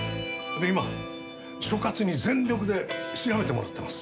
で今所轄に全力で調べてもらってます。